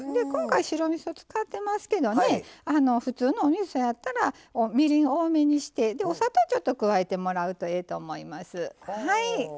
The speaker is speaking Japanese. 今回白みそ使ってますけどね普通のおみそやったらみりん多めにしてでお砂糖ちょっと加えてもらうとええと思います。